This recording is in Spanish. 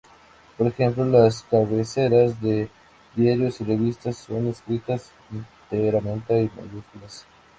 Por ejemplo, las cabeceras de diarios y revistas son escritas enteramente en mayúsculas.